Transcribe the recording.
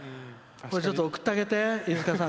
これ、ちょっと送ってあげて。